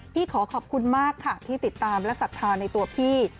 พี่ขอขอบคุณมากค่ะที่ติดตามและศักรรณ์ในตัวพี่